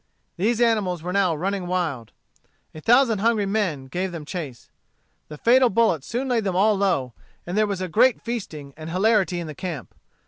These animals were now running wild. A thousand hungry men gave them chase. The fatal bullet soon laid them all low, and there was great feasting and hilarity in the camp.